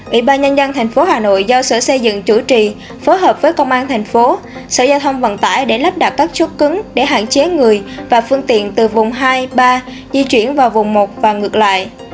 ủy ban nhân dân tp hà nội do sở xây dựng chủ trì phối hợp với công an thành phố sở giao thông vận tải để lắp đặt các chốt cứng để hạn chế người và phương tiện từ vùng hai ba di chuyển vào vùng một và ngược lại